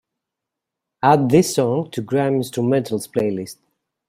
add this song to grime instrumentals playlist